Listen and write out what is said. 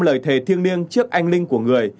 một lời thề thiêng niêng trước anh ninh của người